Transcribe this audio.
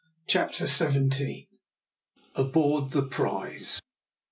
CHAPTER SEVENTEEN. ABOARD THE PRIZE.